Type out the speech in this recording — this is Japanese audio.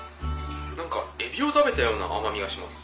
何かエビを食べたような甘みがします。